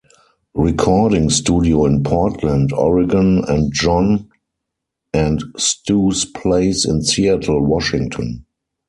Recording Studio in Portland, Oregon and John and Stu's Place in Seattle, Washington.